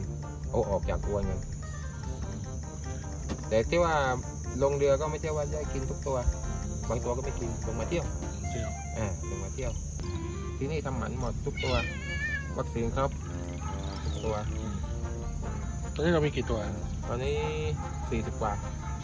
มีความรู้สึกว่ามีความรู้สึกว่ามีความรู้สึกว่ามีความรู้สึกว่ามีความรู้สึกว่ามีความรู้สึกว่ามีความรู้สึกว่ามีความรู้สึกว่ามีความรู้สึกว่ามีความรู้สึกว่ามีความรู้สึกว่ามีความรู้สึกว่ามีความรู้สึกว่ามีความรู้สึกว่ามีความรู้สึกว่ามีความรู้สึกว